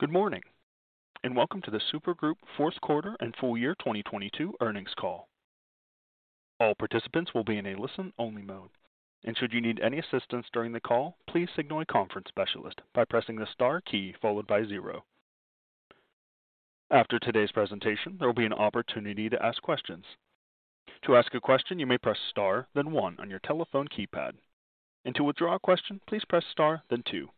Good morning, and welcome to the Super Group Fourth Quarter and Full-Year 2022 Earnings Call. All participants will be in a listen-only mode, and should you need any assistance during the call, please signal a conference specialist by pressing the star key followed by zero. After today's presentation, there will be an opportunity to ask questions. To ask a question, you may press star then one on your telephone keypad. To withdraw a question, please press star then two.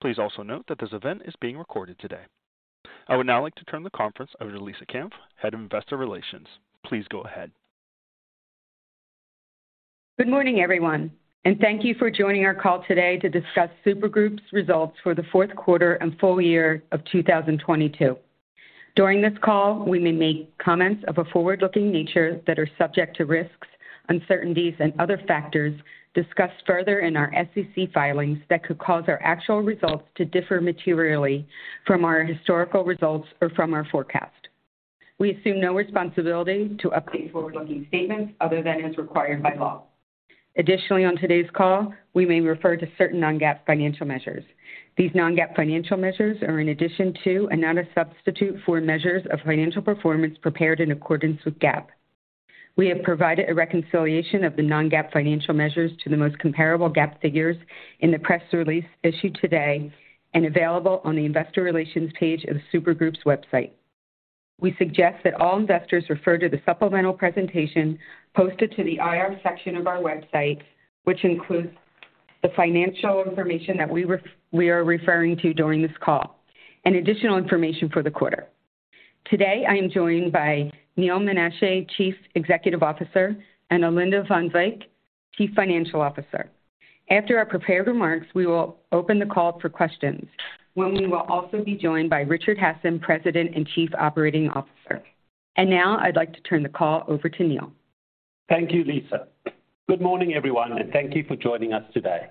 Please also note that this event is being recorded today. I would now like to turn the conference over to Lisa Kampf, Head of Investor Relations. Please go ahead. Good morning, everyone, thank you for joining our call today to discuss Super Group's results for the fourth quarter and full year of 2022. During this call, we may make comments of a forward-looking nature that are subject to risks, uncertainties, and other factors discussed further in our SEC filings that could cause our actual results to differ materially from our historical results or from our forecast. We assume no responsibility to update forward-looking statements other than as required by law. Additionally, on today's call, we may refer to certain non-GAAP financial measures. These non-GAAP financial measures are in addition to and not a substitute for measures of financial performance prepared in accordance with GAAP. We have provided a reconciliation of the non-GAAP financial measures to the most comparable GAAP figures in the press release issued today and available on the investor relations page of Super Group's website. We suggest that all investors refer to the supplemental presentation posted to the IR section of our website, which includes the financial information that we are referring to during this call and additional information for the quarter. Today, I am joined by Neal Menashe, Chief Executive Officer, and Alinda van Wyk, Chief Financial Officer. After our prepared remarks, we will open the call for questions when we will also be joined by Richard Hasson, President and Chief Operating Officer. Now I'd like to turn the call over to Neal. Thank you, Lisa. Good morning, everyone, and thank you for joining us today.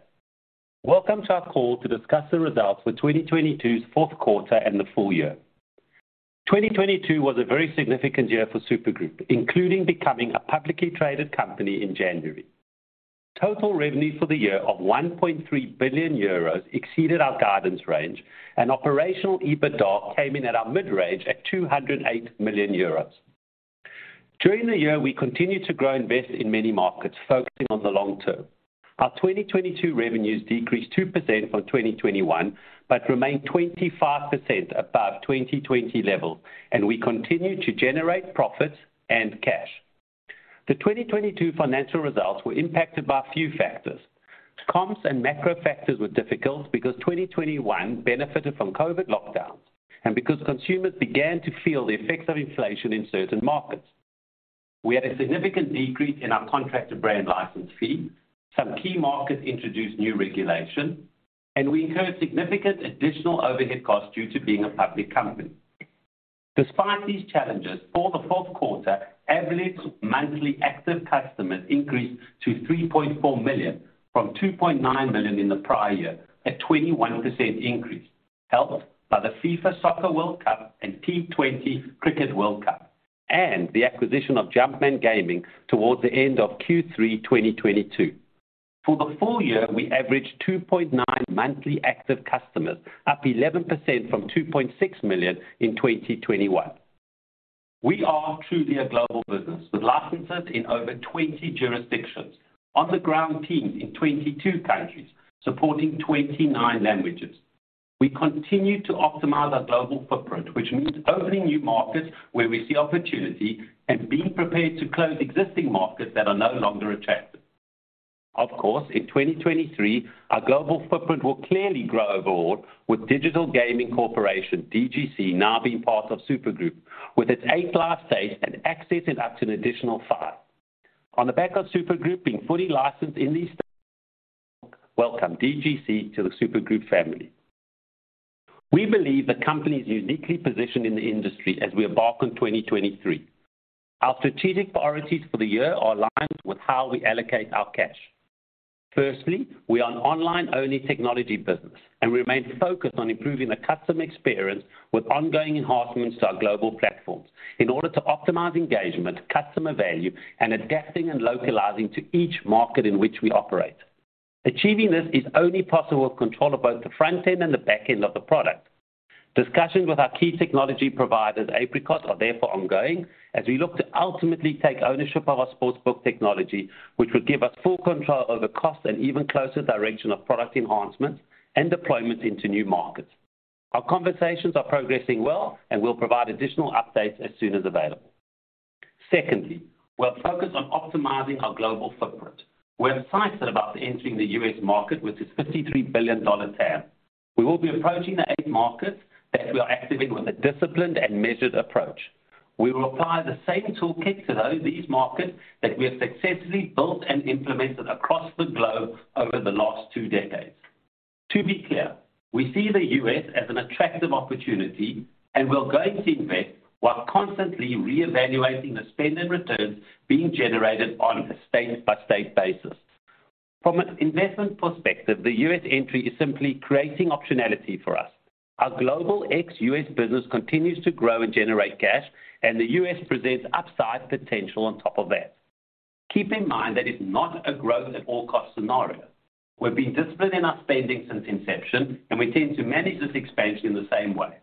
Welcome to our call to discuss the results for 2022's fourth quarter and the full year. 2022 was a very significant year for Super Group, including becoming a publicly traded company in January. Total revenue for the year of 1.3 billion euros exceeded our guidance range, and Operational EBITDA came in at our mid-range at 208 million euros. During the year, we continued to grow and invest in many markets, focusing on the long term. Our 2022 revenues decreased 2% from 2021, but remained 25% above 2020 levels, and we continued to generate profits and cash. The 2022 financial results were impacted by a few factors. Comps and macro factors were difficult because 2021 benefited from COVID lockdowns and because consumers began to feel the effects of inflation in certain markets. We had a significant decrease in our contracted Brand License Fee. Some key markets introduced new regulation, and we incurred significant additional overhead costs due to being a public company. Despite these challenges, for the fourth quarter, average monthly active customers increased to 3.4 million from 2.9 million in the prior year at 21% increase, helped by the FIFA Soccer World Cup and T20 Cricket World Cup and the acquisition of Jumpman Gaming towards the end of Q3 2022. For the full year, we averaged 2.9 monthly active customers, up 11% from 2.6 million in 2021. We are truly a global business with licenses in over 20 jurisdictions, on-the-ground teams in 22 countries supporting 29 languages. We continue to optimize our global footprint, which means opening new markets where we see opportunity and being prepared to close existing markets that are no longer attractive. In 2023, our global footprint will clearly grow overall with Digital Gaming Corporation, DGC, now being part of Super Group with its eight live states and accessing up to an additional 5. On the back of Super Group being fully licensed in these states. Welcome DGC to the Super Group family. We believe the company is uniquely positioned in the industry as we embark on 2023. Our strategic priorities for the year are aligned with how we allocate our cash. Firstly, we are an online-only technology business and remain focused on improving the customer experience with ongoing enhancements to our global platforms in order to optimize engagement, customer value, and adapting and localizing to each market in which we operate. Achieving this is only possible with control of both the front end and the back end of the product. Discussions with our key technology providers, Apricot, are therefore ongoing as we look to ultimately take ownership of our Sportsbook technology, which would give us full control over cost and even closer direction of product enhancements and deployment into new markets. Our conversations are progressing well, and we'll provide additional updates as soon as available. Secondly, we're focused on optimizing our global footprint. We're excited about entering the U.S. market with its $53 billion TAM. We will be approaching the eight markets that we are active in with a disciplined and measured approach. We will apply the same toolkit to these markets that we have successfully built and implemented across the globe over the last two decades. To be clear, we see the U.S. as an attractive opportunity, and we're going to invest while constantly reevaluating the spend and returns being generated on a state-by-state basis. From an investment perspective, the U.S. entry is simply creating optionality for us. Our global ex-U.S. business continues to grow and generate cash, and the U.S. presents upside potential on top of that. Keep in mind that it's not a growth at all cost scenario. We've been disciplined in our spending since inception, and we tend to manage this expansion in the same way.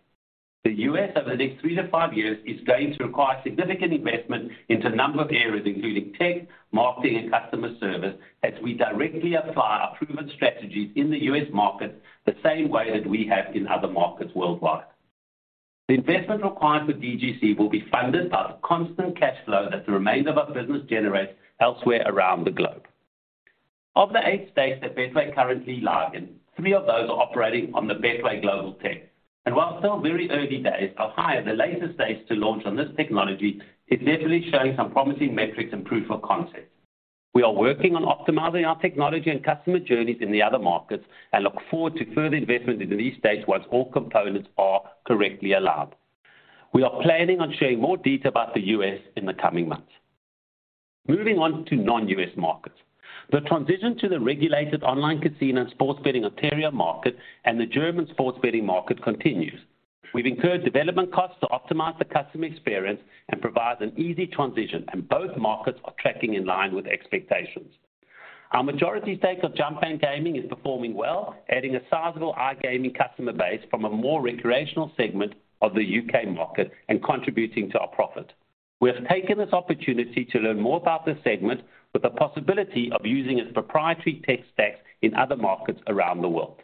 The U.S. over the next three to five years is going to require significant investment into a number of areas, including tech, marketing, and customer service, as we directly apply our proven strategies in the U.S. market the same way that we have in other markets worldwide. The investment required for DGC will be funded by the constant cash flow that the remainder of our business generates elsewhere around the globe. Of the eight states that Betway currently live in, three of those are operating on the Betway Global Technology. While still very early days, Ohio, the latest state to launch on this technology, is definitely showing some promising metrics and proof of concept. We are working on optimizing our technology and customer journeys in the other markets and look forward to further investment into these states once all components are correctly alligned. We are planning on sharing more detail about the U.S. in the coming months. Moving on to non-U.S. markets. The transition to the regulated online casino and sports betting Ontario market and the German sports betting market continues. We've incurred development costs to optimize the customer experience and provide an easy transition, and both markets are tracking in line with expectations. Our majority stake of Jumpman Gaming is performing well, adding a sizable iGaming customer base from a more recreational segment of the U.K. market and contributing to our profit. We have taken this opportunity to learn more about this segment with the possibility of using its proprietary tech stacks in other markets around the world.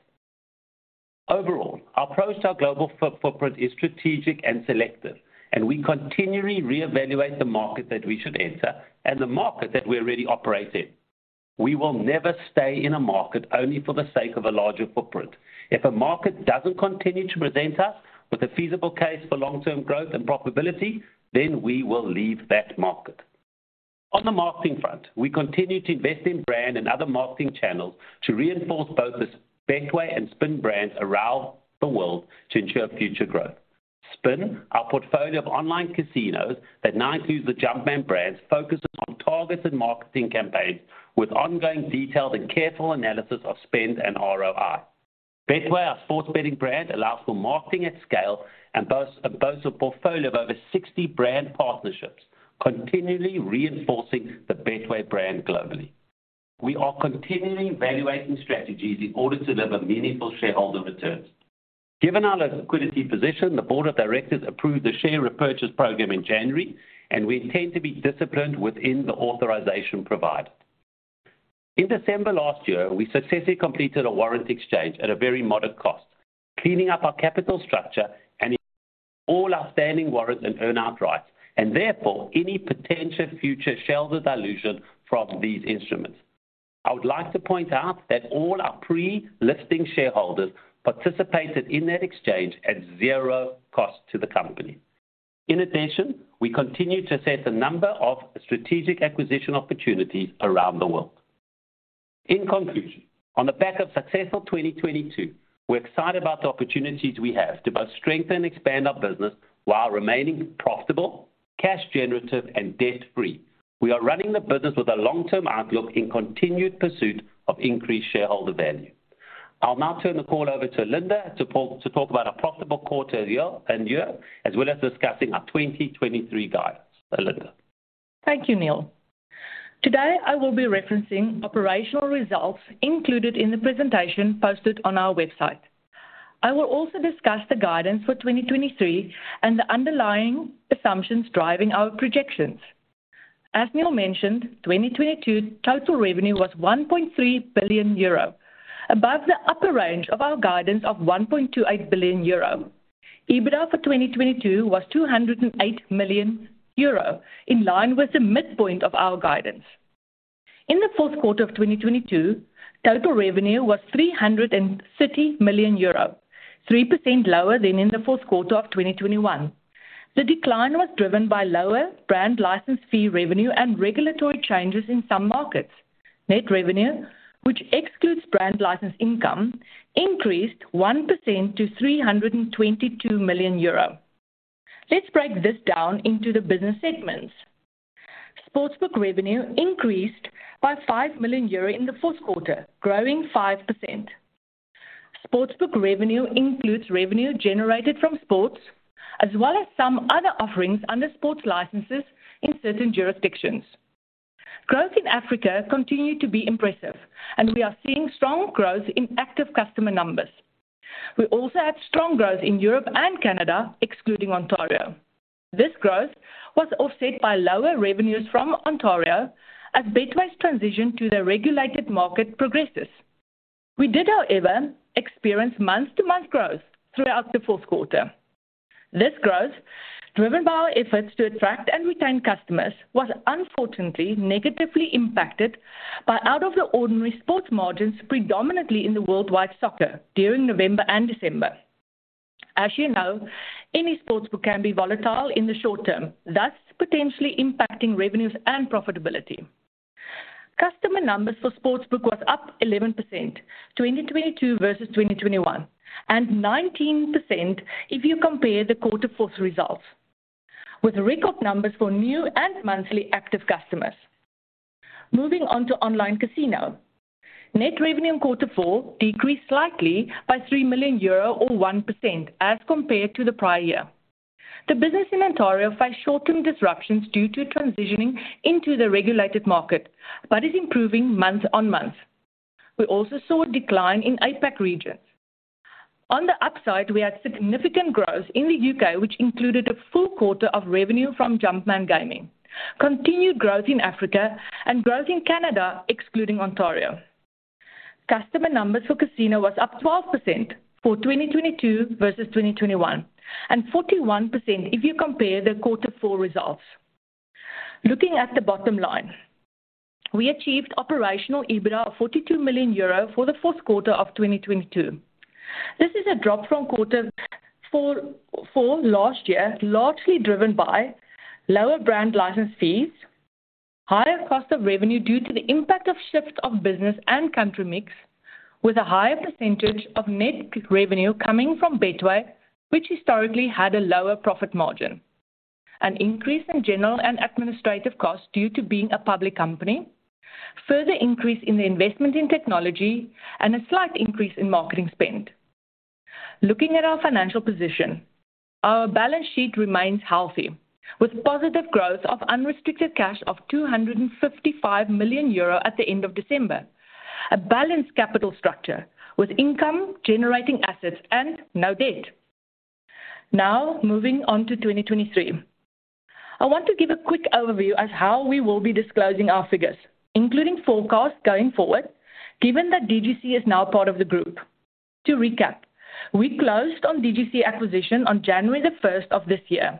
Overall, our approach to our global footprint is strategic and selective, and we continually reevaluate the market that we should enter and the market that we already operate in. We will never stay in a market only for the sake of a larger footprint. If a market doesn't continue to present us with a feasible case for long-term growth and profitability, then we will leave that market. On the marketing front, we continue to invest in brand and other marketing channels to reinforce both the Betway and Spin brands around the world to ensure future growth. Spin, our portfolio of online casinos that now includes the Jumpman brands, focuses on targeted marketing campaigns with ongoing detailed and careful analysis of spend and ROI. Betway, our sports betting brand, allows for marketing at scale and boasts a portfolio of over 60 brand partnerships, continually reinforcing the Betway brand globally. We are continually evaluating strategies in order to deliver meaningful shareholder returns. Given our liquidity position, the board of directors approved the share repurchase program in January, and we intend to be disciplined within the authorization provided. In December last year, we successfully completed a warrant exchange at a very modest cost, cleaning up our capital structure and all outstanding warrants and earn-out rights, and therefore any potential future shareholder dilution from these instruments. I would like to point out that all our pre-listing shareholders participated in that exchange at zero cost to the company. In addition, we continue to assess a number of strategic acquisition opportunities around the world. In conclusion, on the back of successful 2022, we're excited about the opportunities we have to both strengthen and expand our business while remaining profitable, cash generative, and debt-free. We are running the business with a long-term outlook in continued pursuit of increased shareholder value. I'll now turn the call over to Alinda to talk about our profitable quarter year-over-year, as well as discussing our 2023 guidance. Alinda? Thank you, Neal. Today, I will be referencing operational results included in the presentation posted on our website. I will also discuss the guidance for 2023 and the underlying assumptions driving our projections. As Neal mentioned, 2022 total revenue was 1.3 billion euro, above the upper range of our guidance of 1.28 billion euro. EBITDA for 2022 was 208 million euro, in line with the midpoint of our guidance. In the fourth quarter of 2022, total revenue was 330 million euro, 3% lower than in the fourth quarter of 2021. The decline was driven by lower Brand License Fee revenue and regulatory changes in some markets. Net revenue, which excludes brand license income, increased 1% to 322 million euro. Let's break this down into the business segments. Sportsbook revenue increased by 5 million euro in the fourth quarter, growing 5%. Sportsbook revenue includes revenue generated from sports as well as some other offerings under sports licenses in certain jurisdictions. Growth in Africa continued to be impressive, and we are seeing strong growth in active customer numbers. We also had strong growth in Europe and Canada, excluding Ontario. This growth was offset by lower revenues from Ontario as Betway's transition to the regulated market progresses. We did, however, experience month-to-month growth throughout the fourth quarter. This growth, driven by our efforts to attract and retain customers, was unfortunately negatively impacted by out of the ordinary sports margins, predominantly in the worldwide soccer during November and December. As you know, any Sportsbook can be volatile in the short term, thus potentially impacting revenues and profitability. Customer numbers for Sportsbook was up 11% 2022 versus 2021. Nineteen percent if you compare the quarter four results with record numbers for new and monthly active customers. Moving on to online casino. Net revenue in quarter four decreased slightly by 3 million euro or 1% as compared to the prior year. The business in Ontario faced short-term disruptions due to transitioning into the regulated market, but is improving month-on-month. We also saw a decline in APAC regions. On the upside, we had significant growth in the UK, which included a full quarter of revenue from Jumpman Gaming, continued growth in Africa and growth in Canada, excluding Ontario. Customer numbers for casino was up 12% for 2022 versus 2021. Forty-one percent if you compare the quarter four results. Looking at the bottom line, we achieved Operational EBITDA of 42 million euro for the quarter four last year, largely driven by lower Brand License Fees, higher cost of revenue due to the impact of shifts of business and country mix, with a higher percentage of net revenue coming from Betway, which historically had a lower profit margin, an increase in general and administrative costs due to being a public company, further increase in the investment in technology and a slight increase in marketing spend. Looking at our financial position, our balance sheet remains healthy with positive growth of unrestricted cash of 255 million euro at the end of December. A balanced capital structure with income generating assets and no debt. Moving on to 2023. I want to give a quick overview of how we will be disclosing our figures, including forecasts going forward, given that DGC is now part of the group. To recap, we closed on DGC acquisition on January 1st of this year.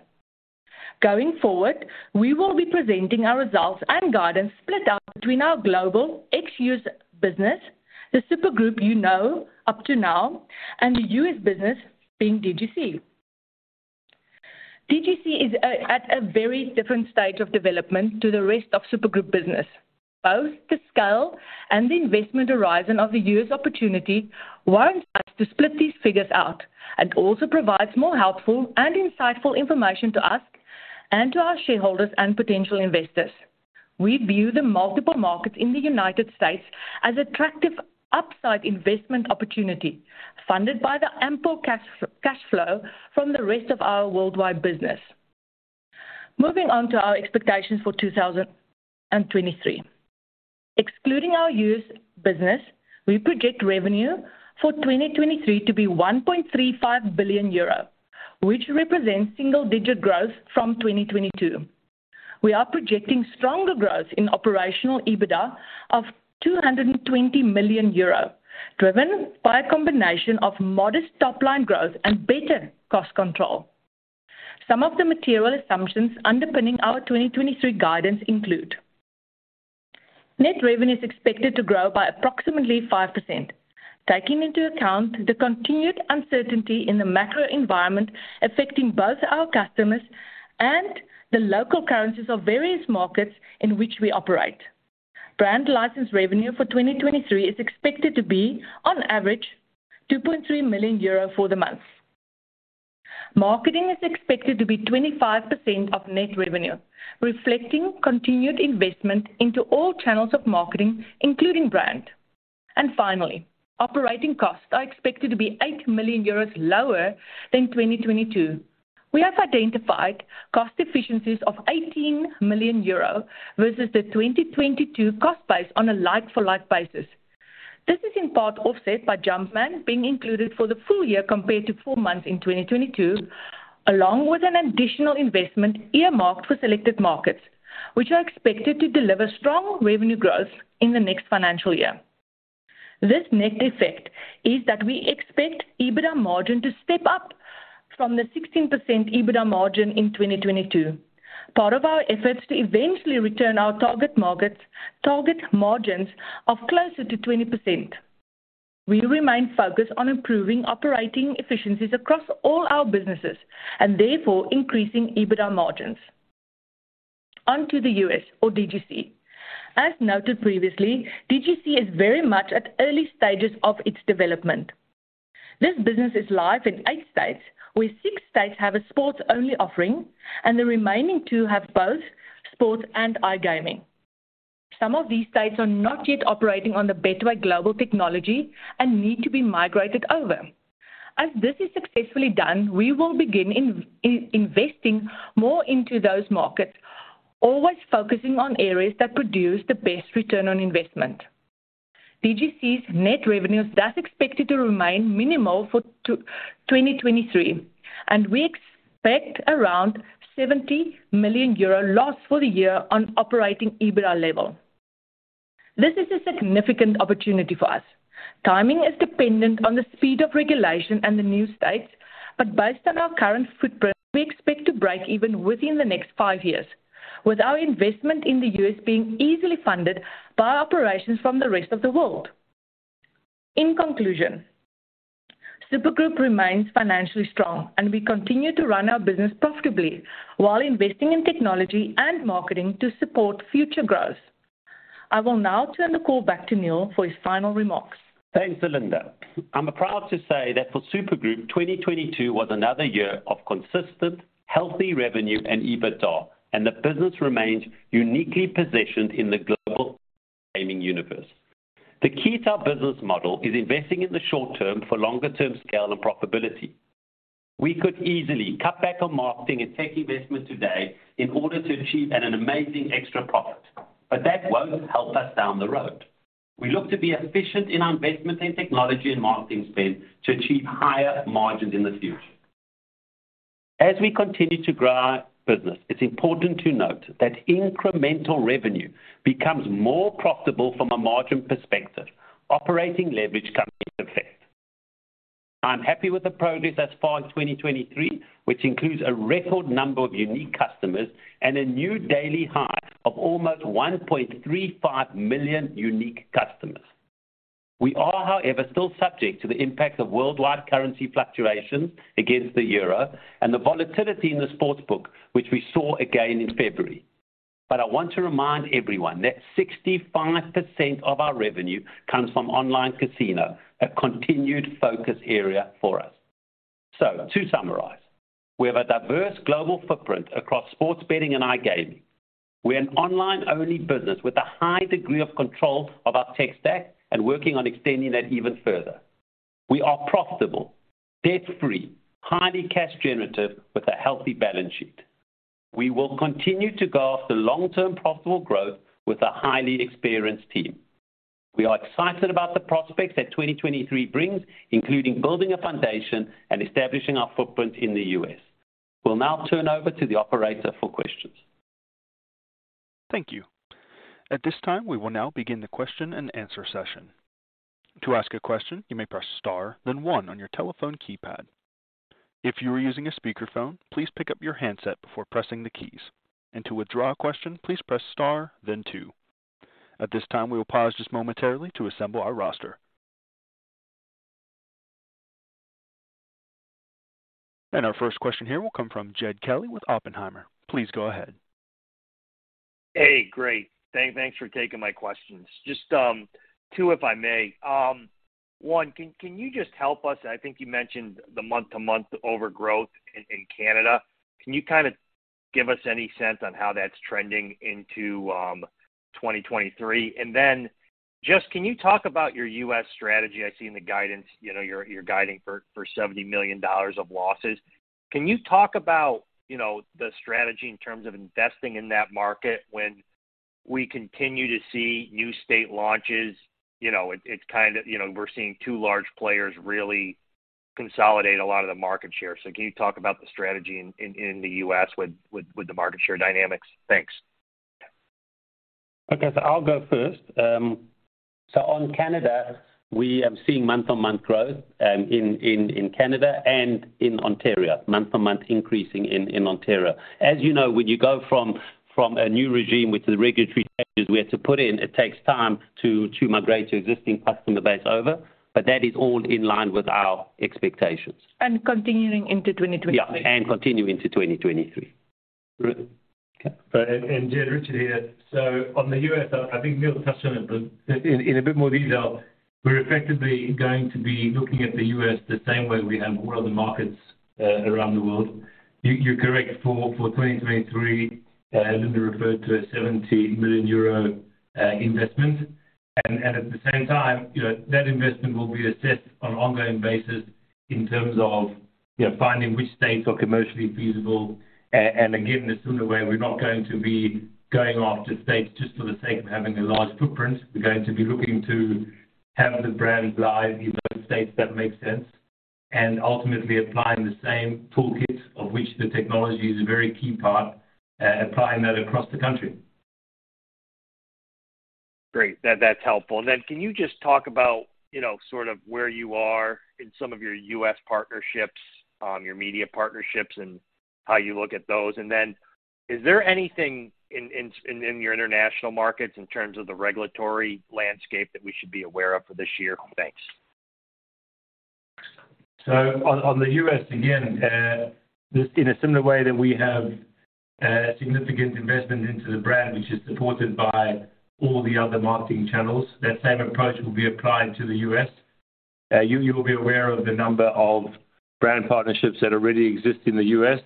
Going forward, we will be presenting our results and guidance split out between our global ex-U.S. business, the Super Group you know up to now, and the U.S. business being DGC. DGC is at a very different stage of development to the rest of Super Group business. Both the scale and the investment horizon of the U.S. opportunity warrants us to split these figures out and also provides more helpful and insightful information to us and to our shareholders and potential investors. We view the multiple markets in the U.S. as attractive upside investment opportunity funded by the ample cash flow from the rest of our worldwide business. Moving on to our expectations for 2023. Excluding our U.S. business, we project revenue for 2023 to be 1.35 billion euro, which represents single-digit growth from 2022. We are projecting stronger growth in Operational EBITDA of 220 million euro, driven by a combination of modest top-line growth and better cost control. Some of the material assumptions underpinning our 2023 guidance include: Net revenue is expected to grow by approximately 5%, taking into account the continued uncertainty in the macro environment affecting both our customers and the local currencies of various markets in which we operate. Brand license revenue for 2023 is expected to be on average 2.3 million euro for the month. Marketing is expected to be 25% of net revenue, reflecting continued investment into all channels of marketing, including brand. Finally, operating costs are expected to be 8 million euros lower than 2022. We have identified cost efficiencies of 18 million euro versus the 2022 cost base on a like for like basis. This is in part offset by Jumpman being included for the full year compared to four months in 2022, along with an additional investment earmarked for selected markets, which are expected to deliver strong revenue growth in the next financial year. This net effect is that we expect EBITDA margin to step up from the 16% EBITDA margin in 2022, part of our efforts to eventually return our target margins of closer to 20%. We remain focused on improving operating efficiencies across all our businesses and therefore increasing EBITDA margins. On to the US or DGC. As noted previously, DGC is very much at early stages of its development. This business is live in eight states, where six states have a sports-only offering and the remaining two have both sports and iGaming. Some of these states are not yet operating on the Betway Global Technology and need to be migrated over. As this is successfully done, we will begin investing more into those markets, always focusing on areas that produce the best return on investment. DGC's net revenue is thus expected to remain minimal for 2023. We expect around 70 million euro loss for the year on Operational EBITDA level. This is a significant opportunity for us. Timing is dependent on the speed of regulation and the new states. Based on our current footprint, we expect to break even within the next five years, with our investment in the US being easily funded by operations from the rest of the world. In conclusion, Super Group remains financially strong. We continue to run our business profitably while investing in technology and marketing to support future growth. I will now turn the call back to Neal for his final remarks. Thanks, Alinda. I'm proud to say that for Super Group, 2022 was another year of consistent, healthy revenue and EBITDA. The business remains uniquely positioned in the global gaming universe. The key to our business model is investing in the short term for longer term scale and profitability. We could easily cut back on marketing and tech investment today in order to achieve at an amazing extra profit. That won't help us down the road. We look to be efficient in our investment in technology and marketing spend to achieve higher margins in the future. As we continue to grow our business, it's important to note that incremental revenue becomes more profitable from a margin perspective. Operating leverage comes into effect. I'm happy with the progress thus far in 2023, which includes a record number of unique customers and a new daily high of almost 1.35 million unique customers. We are, however, still subject to the impacts of worldwide currency fluctuations against the euro and the volatility in the Sportsbook, which we saw again in February. I want to remind everyone that 65% of our revenue comes from online casino, a continued focus area for us. To summarize, we have a diverse global footprint across sports betting and iGaming. We're an online-only business with a high degree of control of our tech stack and working on extending that even further. We are profitable, debt-free, highly cash generative with a healthy balance sheet. We will continue to go after long-term profitable growth with a highly experienced team. We are excited about the prospects that 2023 brings, including building a foundation and establishing our footprint in the U.S. We'll now turn over to the operator for questions. Thank you. At this time, we will now begin the question-and-answer session. To ask a question, you may press star, then one on your telephone keypad. If you are using a speakerphone, please pick up your handset before pressing the keys. To withdraw a question, please press star then two. At this time, we will pause just momentarily to assemble our roster. Our first question here will come from Jed Kelly with Oppenheimer. Please go ahead. Hey, great. Thanks for taking my questions. Just two, if I may. One, can you just help us? I think you mentioned the month-to-month overgrowth in Canada. Can you kind of give us any sense on how that's trending into 2023? Just can you talk about your U.S. strategy? I've seen the guidance, you know, you're guiding for $70 million of losses. Can you talk about, you know, the strategy in terms of investing in that market when we continue to see new state launches? You know, we're seeing two large players really consolidate a lot of the market share. Can you talk about the strategy in the U.S. with the market share dynamics? Thanks. I'll go first. On Canada, we are seeing month-on-month growth in Canada and in Ontario. Month-on-month increasing in Ontario. As you know, when you go from a new regime with the regulatory changes we had to put in, it takes time to migrate your existing customer base over, but that is all in line with our expectations. Continuing into 2023. Yeah, continue into 2023. Great. Okay. Jed, Richard here. On the U.S., I think Neal touched on it, but in a bit more detail, we're effectively going to be looking at the U.S. the same way we have all other markets around the world. You, you're correct for 2023 as we referred to a 70 million euro investment. At the same time, you know, that investment will be assessed on an ongoing basis in terms of, you know, finding which states are commercially feasible. Again, in a similar way, we're not going to be going after states just for the sake of having a large footprint. We're going to be looking to have the brand live in those states that make sense and ultimately applying the same toolkit of which the technology is a very key part, applying that across the country. Great. That's helpful. Can you just talk about, you know, sort of where you are in some of your U.S. partnerships, your media partnerships and how you look at those? Is there anything in your international markets in terms of the regulatory landscape that we should be aware of for this year? Thanks. On the U.S., again, this in a similar way that we have significant investment into the brand, which is supported by all the other marketing channels. That same approach will be applied to the U.S. You will be aware of the number of brand partnerships that already exist in the U.S.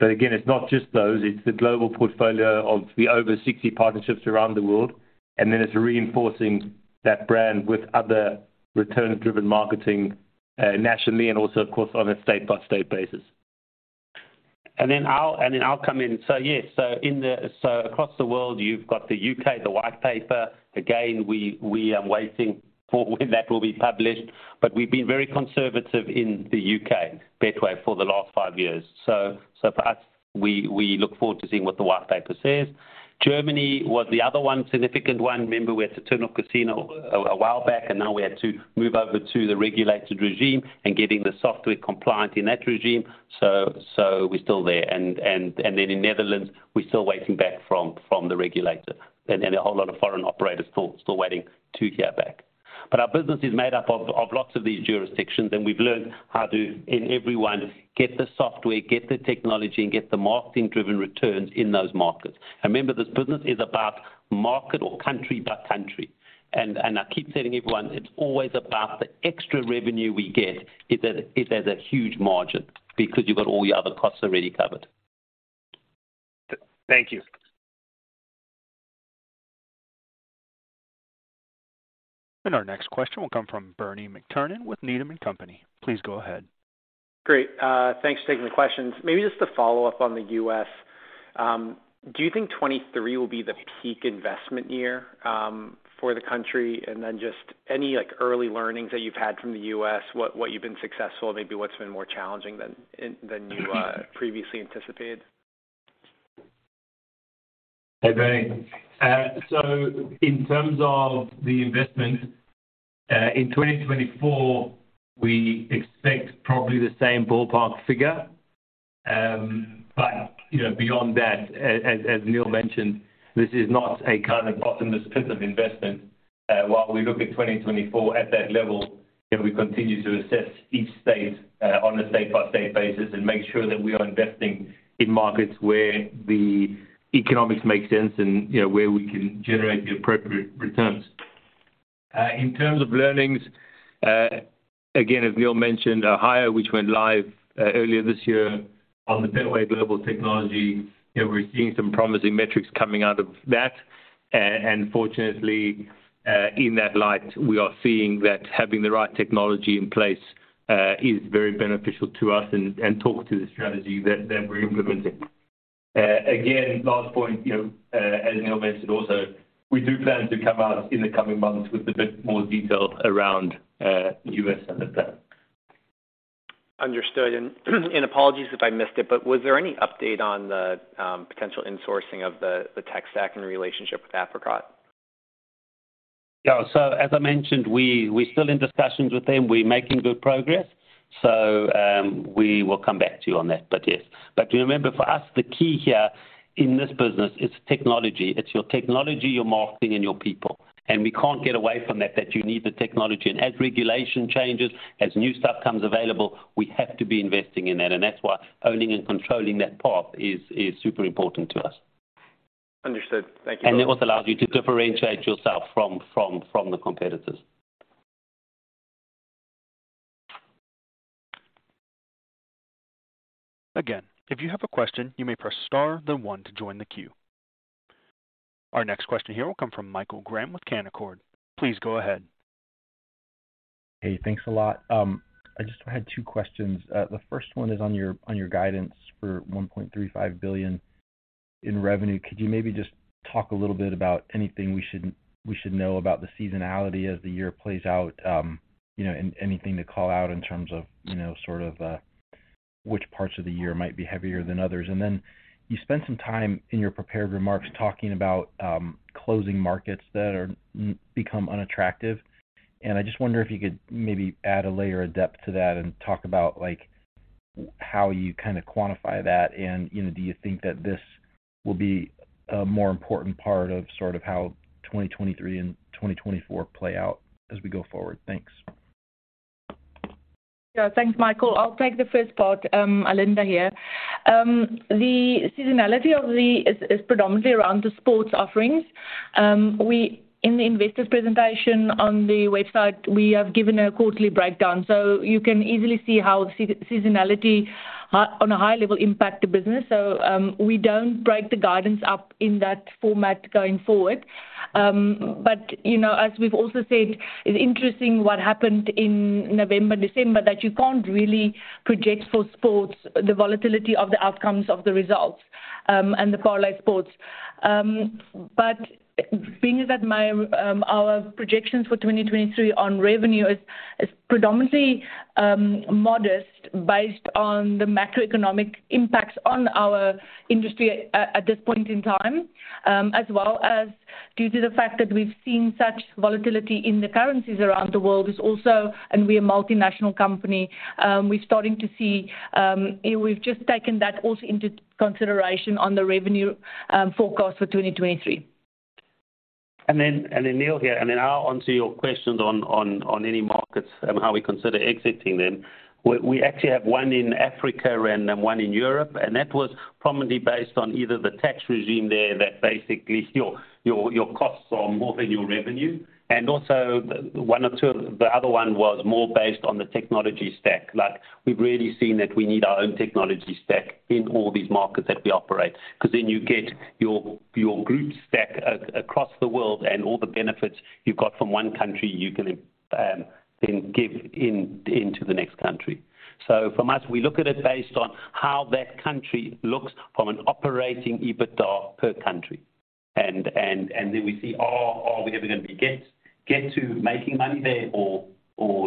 Again, it's not just those, it's the global portfolio of the over 60 partnerships around the world, and then it's reinforcing that brand with other return-driven marketing, nationally and also, of course, on a state-by-state basis. Then I'll come in. Yes. Across the world, you've got the U.K., the White Paper. Again, we are waiting for when that will be published, but we've been very conservative in the U.K. Betway for the last five years. For us, we look forward to seeing what the White Paper says. Germany was the other one, significant one. Remember, we had to turn off casino a while back, and now we had to move over to the regulated regime and getting the software compliant in that regime. We're still there. Then in Netherlands, we're still waiting back from the regulator, and a whole lot of foreign operators still waiting to hear back. Our business is made up of lots of these jurisdictions, and we've learned how to, in every one, get the software, get the technology, and get the marketing-driven returns in those markets. Remember, this business is about market or country by country. I keep telling everyone it's always about the extra revenue we get. It has a huge margin because you've got all your other costs already covered. Thank you. Our next question will come from Bernie McTernan with Needham & Company. Please go ahead. Great. thanks for taking the questions. Maybe just to follow up on the U.S., do you think 2023 will be the peak investment year for the country? Just any, like, early learnings that you've had from the U.S., what you've been successful, maybe what's been more challenging than you previously anticipated? Hey, Bernie. In terms of the investment, in 2024, we expect probably the same ballpark figure. you know, beyond that, as Neal Menashe mentioned, this is not a kind of bottomless pit of investment. While we look at 2024 at that level, you know, we continue to assess each state on a state-by-state basis and make sure that we are investing in markets where the economics make sense and, you know, where we can generate the appropriate returns. In terms of learnings, again, as Neal Menashe mentioned, Ohio, which went live earlier this year on the Betway Global Technology, you know, we're seeing some promising metrics coming out of that. Fortunately, in that light, we are seeing that having the right technology in place is very beneficial to us and talk to the strategy that we're implementing. Again, last point, you know, as Neal mentioned also, we do plan to come out in the coming months with a bit more detail around the U.S. entry plan. Understood. Apologies if I missed it, but was there any update on the potential insourcing of the tech stack and relationship with Apricot? Yeah. As I mentioned, we're still in discussions with them. We're making good progress. We will come back to you on that, but yes. Remember, for us, the key here in this business is technology. It's your technology, your marketing, and your people. We can't get away from that you need the technology. As regulation changes, as new stuff comes available, we have to be investing in that. That's why owning and controlling that path is super important to us. Understood. Thank you very much. It also allows you to differentiate yourself from the competitors. Again, if you have a question, you may press star then one to join the queue. Our next question here will come from Michael Graham with Canaccord. Please go ahead. Hey, thanks a lot. I just had two questions. The first one is on your, on your guidance for 1.35 billion in revenue. Could you maybe just talk a little bit about anything we should, we should know about the seasonality as the year plays out, you know, and anything to call out in terms of, you know, sort of, which parts of the year might be heavier than others. You spent some time in your prepared remarks talking about, closing markets that are become unattractive. I just wonder if you could maybe add a layer of depth to that and talk about, like, how you kinda quantify that and, you know, do you think that this will be a more important part of sort of how 2023 and 2024 play out as we go forward? Thanks. Yeah, thanks, Michael. I'll take the first part. Alinda here. The seasonality is predominantly around the sports offerings. In the investors presentation on the website, we have given a quarterly breakdown, so you can easily see how seasonality on a high level impact the business. We don't break the guidance up in that format going forward. You know, as we've also said, it's interesting what happened in November and December that you can't really project for sports the volatility of the outcomes of the results and the parallel sports. Being as our projections for 2023 on revenue is predominantly modest based on the macroeconomic impacts on our industry at this point in time, as well as due to the fact that we've seen such volatility in the currencies around the world is also, and we're a multinational company, we're starting to see, we've just taken that also into consideration on the revenue forecast for 2023. Neal here, then I'll answer your questions on any markets and how we consider exiting them. We actually have one in Africa then one in Europe, and that was prominently based on either the tax regime there that basically your costs are more than your revenue. Also the other one was more based on the technology stack. Like, we've really seen that we need our own technology stack in all these markets that we operate 'cause then you get your group stack across the world and all the benefits you've got from one country, you can then give in, into the next country. For us, we look at it based on how that country looks from an operating EBITDA per country. Then we see are we ever gonna get to making money there or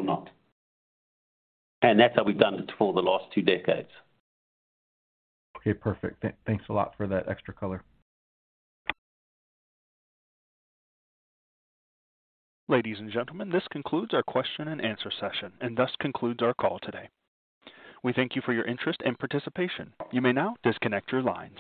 not? That's how we've done it for the last two decades. Okay, perfect. Thanks a lot for that extra color. Ladies and gentlemen, this concludes our question and answer session, and thus concludes our call today. We thank you for your interest and participation. You may now disconnect your lines.